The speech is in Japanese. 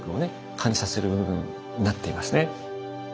感じさせる部分になっていますね。